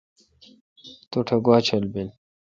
تو ٹھ گوا چل بیل